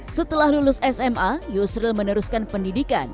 setelah lulus sma yusril meneruskan pendidikan